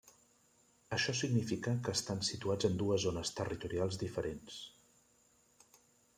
Això significa que estan situats en dues zones territorials diferents.